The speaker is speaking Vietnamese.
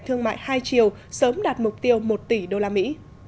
thương mại hai chiều sớm đạt mục tiêu một tỷ đô la mỹ